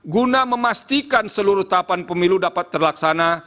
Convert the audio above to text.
guna memastikan seluruh tahapan pemilu dapat terlaksana